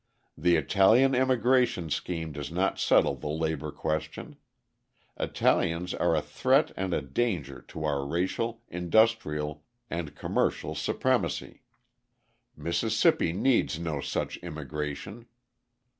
The Italian immigration scheme does not settle the labour question; Italians are a threat and a danger to our racial, industrial, and commercial supremacy. Mississippi needs no such immigration.